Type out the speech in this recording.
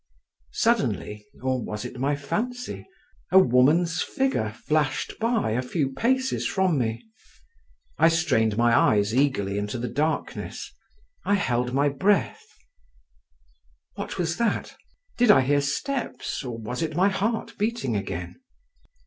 Suddenly, or was it my fancy, a woman's figure flashed by, a few paces from me … I strained my eyes eagerly into the darkness, I held my breath. What was that? Did I hear steps, or was it my heart beating again?